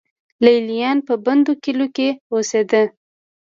لې لیان په بندو کلیو کې اوسېدل.